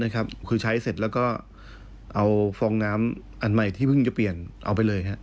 คือใช้เสร็จแล้วก็เอาฟองน้ำอันใหม่ที่เพิ่งจะเปลี่ยนเอาไปเลย